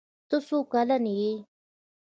ته څو کلن يي